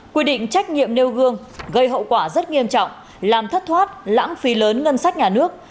quy định trách nhiệm nêu gương gây hậu quả rất nghiêm trọng làm thất thoát lãng phí lớn ngân sách nhà nước